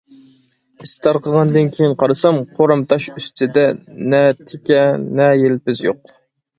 ئىس تارقىغاندىن كېيىن قارىسام، قورام تاش ئۈستىدە نە تېكە، نە يىلپىز يوق.